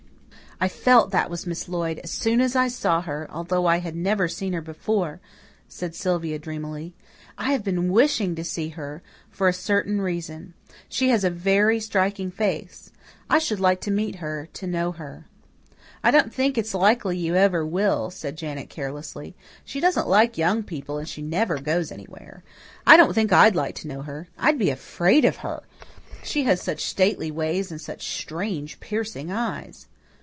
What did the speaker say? "I felt that was Miss Lloyd as soon as I saw her, although I had never seen her before," said Sylvia dreamily. "I have been wishing to see her for a certain reason. She has a very striking face. I should like to meet her to know her." "I don't think it's likely you ever will," said Janet carelessly. "She doesn't like young people and she never goes anywhere. I don't think I'd like to know her. I'd be afraid of her she has such stately ways and such strange, piercing eyes."